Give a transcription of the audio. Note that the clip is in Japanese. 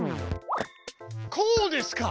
こうですか？